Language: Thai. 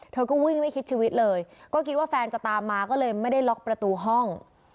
เธอก็วิ่งไม่คิดชีวิตเลยก็คิดว่าแฟนจะตามมาก็เลยไม่ได้ล็อกประตูห้อง